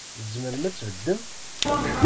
Tzemrem ad tbeddem?